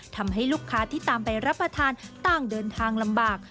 ทำให้ลูกค้าที่ตามไปรับประทานต่างเดินทางลำบาก